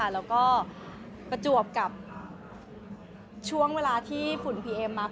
แล้วก็ประจวบกับช่วงเวลาที่ฝุ่นพีเอ็มมา